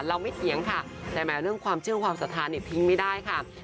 ไม่เถียงค่ะแต่แม้เรื่องความเชื่อความศรัทธาเนี่ยทิ้งไม่ได้ค่ะ